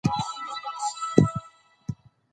پوهانو وویل چې سیاستونه باید وارزول سي.